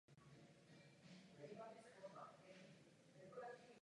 Dávali je duchovní tamním obchodníkům.